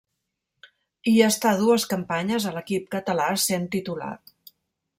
Hi està dues campanyes, a l'equip català, sent titular.